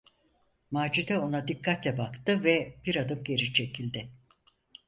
Macide ona dikkatle baktı ve bir adım geri çekildi.